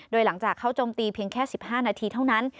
โดยหลังจากเขาโจมตีเพียงแค่๑๕นาทีเท่านั้น